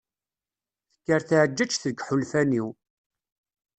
Tekker tɛeǧǧaǧǧt deg yiḥulfan-iw.